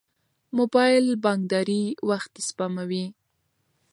موبایل بانکداري وخت سپموي.